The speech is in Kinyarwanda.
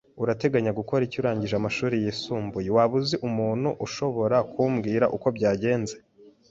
Urateganya gukora iki urangije amashuri yisumbuye? Waba uzi umuntu ushobora kumbwira uko byagenze?